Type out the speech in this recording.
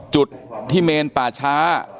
จุดที่เมนป่าช้า